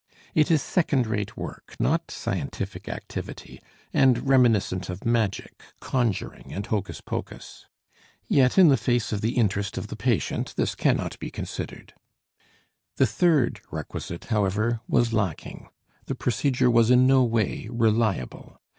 It is second rate work, not scientific activity, and reminiscent of magic, conjuring and hocus pocus; yet in the face of the interest of the patient this cannot be considered. The third requisite, however, was lacking. The procedure was in no way reliable.